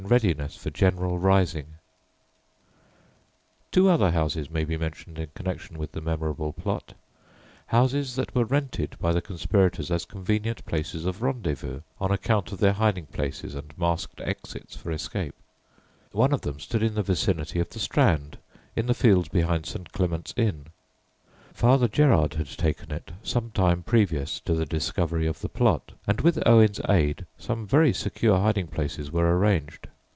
[Illustration: HUDDINGTON COURT, WORCESTERSHIRE] [Illustration: ENTRANCE PORCH, HUDDINGTON COURT] Two other houses may be mentioned in connection with the memorable Plot houses that were rented by the conspirators as convenient places of rendezvous an account of their hiding places and masked exits for escape. One of them stood in the vicinity of the Strand, in the fields behind St. Clement's Inn. Father Gerard had taken it some time previous to the discovery of the Plot, and with Owen's aid some very secure hiding places were arranged.